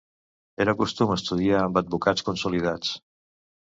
Era costum estudiar amb advocats consolidats.